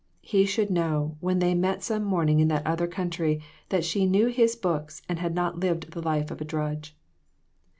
He should know, when they met some morning in that other country, that she knew his books and had not lived the life of a drudge.